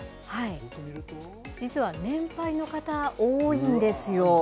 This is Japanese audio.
実は年配の方、多いんですよ。